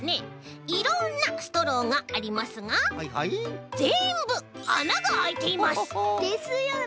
いろんなストローがありますがぜんぶあながあいています！ですよね！